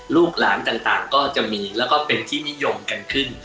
ลูกหลานต่างก็จะมีแล้วก็เป็นที่นิยมกันขึ้น